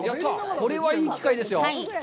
これはいい機会ですよ。